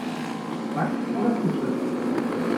Bug oder Feature?